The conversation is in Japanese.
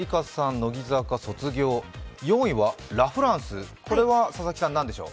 乃木坂卒業、４位はラ・フランス、これは佐々木さん、何でしょう？